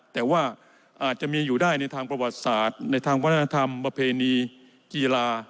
แต่ว่าอาจจะมีอยู่ได้ในทางประวัติศาสตร์ในทางวัฒนธรรมประเพณีกีฬา